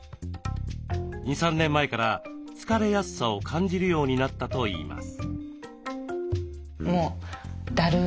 ２３年前から疲れやすさを感じるようになったといいます。